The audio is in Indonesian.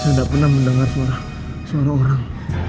saya tidak pernah mendengar suara orang